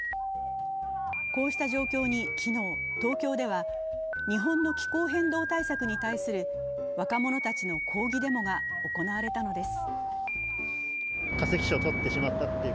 こうした状況に昨日、東京では日本の気候変動対策に対する若者たちの抗議デモが行われたのです。